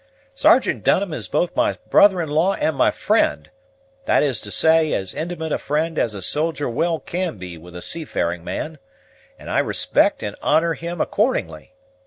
Sergeant Dunham is both my brother in law and my friend, that is to say, as intimate a friend as a soldier well can be with a seafaring man, and I respect and honor him accordingly.